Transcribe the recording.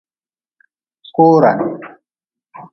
Koran.